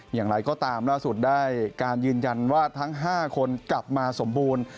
อย่างไรก็ตามล่าสุดได้การยืนยันว่าทั้ง๕คนกลับมาสมบูรณ์